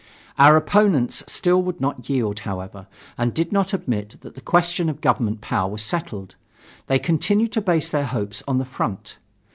Our opponents still would not yield, however, and did not admit that the question of government power was settled. They continued to base their hopes on the front.